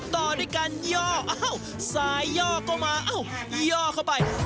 ต่อด้วยการย่ออ้าวสายย่อก็มาอ้าวย่อเข้าไป